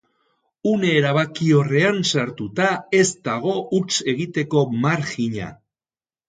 Une erabakiorrean sartuta, ez dago huts egiteko marjina.